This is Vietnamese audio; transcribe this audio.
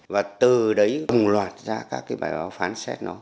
và từ đấy đồng loạt ra các cái bài báo phán xét nó